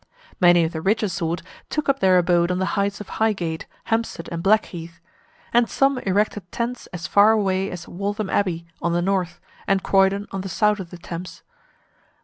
Many of the richer sort took up their abode on the heights of Highgate, Hampstead, and Blackheath; and some erected tents as far away as Waltham Abbey on the north, and Croydon on the south of the Thames.